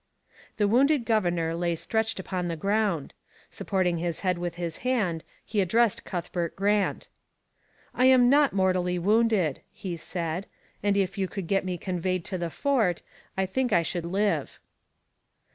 The wounded governor lay stretched upon the ground. Supporting his head with his hand, he addressed Cuthbert Grant: 'I am not mortally wounded,' he said, 'and if you could get me conveyed to the fort, I think I should live.'